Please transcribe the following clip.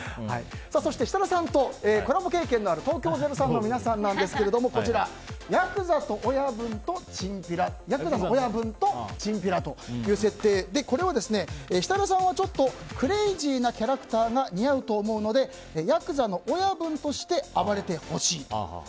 そして、設楽さんとコラボ経験のある東京０３の皆さんはやくざの親分とチンピラ。という設定で設楽さんはちょっとクレイジーなキャラクターが似合うと思うのでやくざの親分として暴れてほしいと。